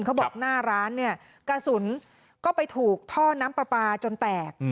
เขาบอกหน้าร้านเนี่ยกระสุนก็ไปถูกท่อน้ำปลาปลาจนแตก